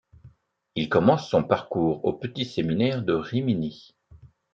Il commence son parcours au petit séminaire de Rimini.